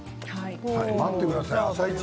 待ってください「あさイチ」